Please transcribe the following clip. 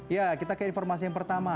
ya kita ke informasi yang pertama